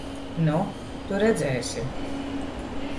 Nu, tu redzēsi!